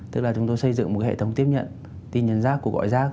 tức là chúng tôi xây dựng một hệ thống tiếp nhận tin nhắn rác cuộc gọi rác